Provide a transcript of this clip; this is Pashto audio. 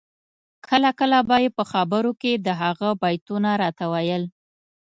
کله کله به یې په خبرو کي د هغه بیتونه راته ویل